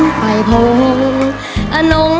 แย่งแย่ง